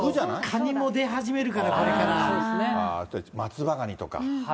カニも出始めるから、これか松葉ガニとか。